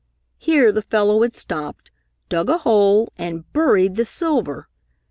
Here the fellow had stopped, dug a hole and buried the silver!